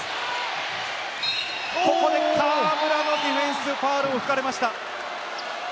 ここで河村のディフェンスファウルを吹かれました。